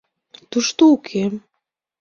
Тушто уке.